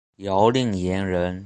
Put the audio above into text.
姚令言人。